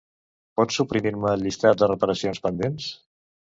Pots suprimir-me el llistat de reparacions pendents?